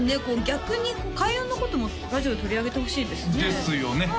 逆に「開運」のこともラジオで取り上げてほしいですねですよね